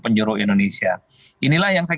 penjuru indonesia inilah yang saya